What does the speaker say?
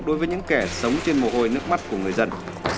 đối với những kẻ sống trên mồ hôi nước mắt của người dân